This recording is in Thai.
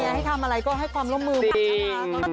คอบนะแม่ทำอะไรก็ให้ความร่มมือมาก